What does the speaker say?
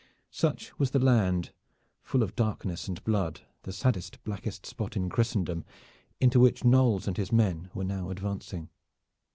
Such was the land, full of darkness and blood, the saddest, blackest spot in Christendom, into which Knolles and his men were now advancing.